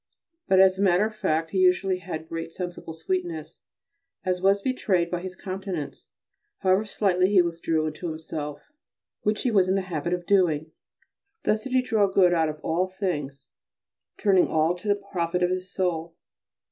But as a matter of fact he usually had great sensible sweetness, as was betrayed by his countenance, however slightly he withdrew into himself, which he was in the habit of doing. Thus did he draw good out of all things, turning all to the profit of his soul.